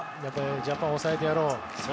ジャパンを抑えてやろうと。